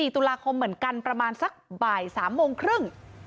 ๔ตุลาคมเหมือนกันประมาณสักบ่าย๓โมงครึ่ง